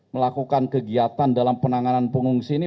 melakukan kegiatan dalam penanganan pengungsi ini